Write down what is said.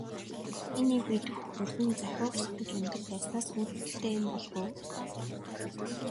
Энэ их идэвх хурд нь зохиогч татаж унадаг байснаас үүдэлтэй юм болов уу?